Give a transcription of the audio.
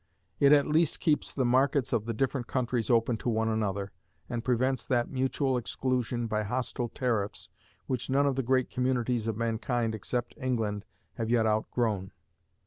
It at least keeps the markets of the different countries open to one another, and prevents that mutual exclusion by hostile tariffs which none of the great communities of mankind except England have yet outgrown.